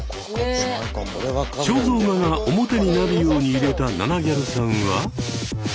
肖像画が表になるように入れたななギャルさんは。